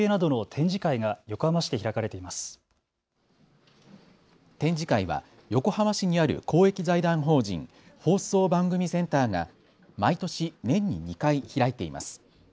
展示会は横浜市にある公益財団法人放送番組センターが毎年、年に２回開いています。